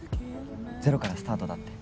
ゼロからスタートだって。